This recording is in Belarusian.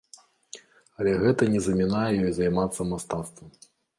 Але гэта не замінае ёй займацца мастацтвам.